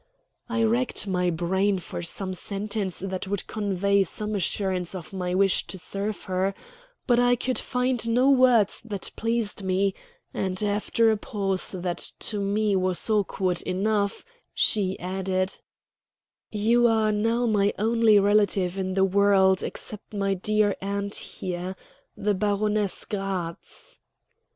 I racked my brain for some sentence that would convey some assurance of my wish to serve her; but I could find no words that pleased me; and after a pause, that to me was awkward enough, she added: "You are now my only relative in the world except my dear aunt here, the Baroness Gratz."